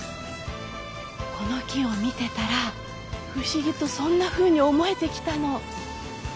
この木を見てたら不思議とそんなふうに思えてきたの。